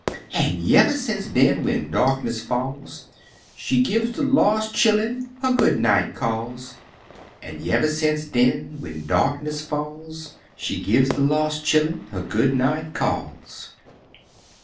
An' y'ever sence den, when darkness falls, She gives de lost chillun her Good night calls! An' y'ever sence den, when darkness falls, She gives de lost chillun her Good night calls!